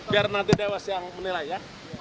biar nanti dewas yang menilai ya